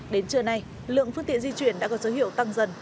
đến trưa nay lượng phương tiện di chuyển đã có dấu hiệu tăng dần